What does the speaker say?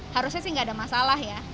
harusnya sih nggak ada masalah ya